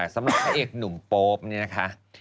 สำหรับพระเอกหนุ่มโป๊ปเนี่ยนะคะ